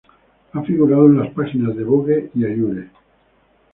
Ha figurado en las páginas de Vogue y Allure.